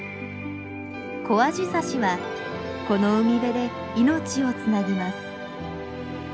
コアジサシはこの海辺で命をつなぎます。